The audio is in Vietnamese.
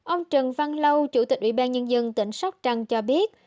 ông trần văn lâu chủ tịch ủy ban nhân dân tỉnh sóc trăng cho biết